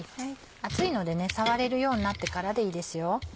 熱いので触れるようになってからでいいですよ。